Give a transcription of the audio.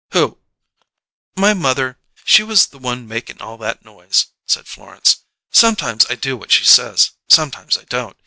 "Who?" "My mother. She was the one makin' all that noise," said Florence. "Sometimes I do what she says: sometimes I don't.